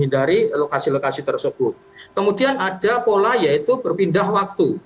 dari lokasi lokasi tersebut kemudian ada pola yaitu berpindah waktu